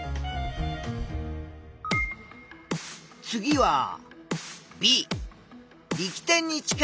次はＢ。